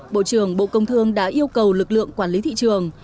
bộ trưởng bộ công thương đã yêu cầu lực lượng quản lý thị trường